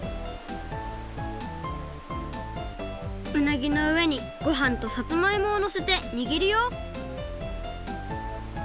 うなぎのうえにごはんとさつまいもをのせてにぎるよ